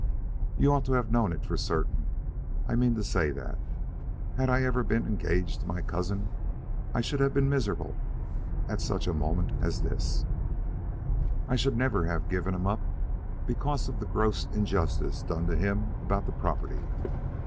"You ought to have known it for certain. I mean to say that, had I ever been engaged to my cousin, I should have been miserable at such a moment as this. I never should have given him up because of the gross injustice done to him about the property.